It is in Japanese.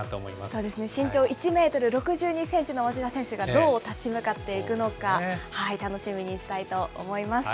そうですね、身長１メートル６２センチの町田選手がどう立ち向かっていくのか、楽しみにしたいと思います。